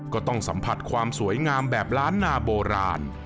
ก็ต้องสัมผัสความสวยงามแบบล้านนาโบราณ